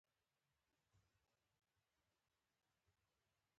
اتریشیان نه ښکارېدل، ما ورته وویل: دلته ولې.